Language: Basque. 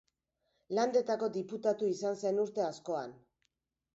Landetako Diputatu izan zen urte askoan.